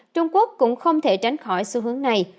trung quốc cũng không thể tránh khỏi xu hướng này